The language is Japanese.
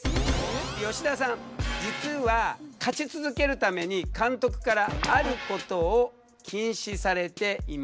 吉田さん実は勝ち続けるために監督からあることを禁止されていました。